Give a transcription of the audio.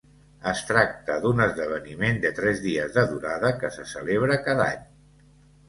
Es tracta d'un esdeveniment de tres dies de durada que se celebra cada any.